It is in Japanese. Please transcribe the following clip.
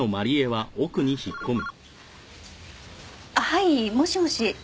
はいもしもし。